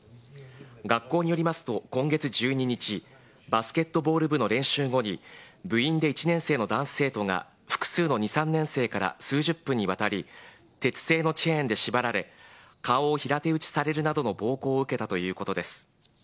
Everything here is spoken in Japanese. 学校によりますと、今月１２日、バスケットボール部の練習後に、部員で１年生の男子生徒が複数の２、３年生から数十分にわたり、鉄製のチェーンで縛られ、顔を平手打ちされるなどの暴行を受けたということです。